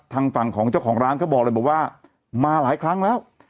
ทางฝั่งของเจ้าของร้านเขาบอกเลยบอกว่ามาหลายครั้งแล้ว